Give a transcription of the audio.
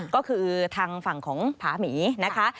ก็คือทางฝั่งของผาหมีนะคะ